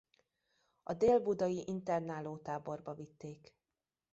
A dél-budai internálótáborba vitték.